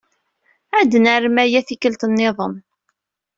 Ad narem aya tikkelt niḍen.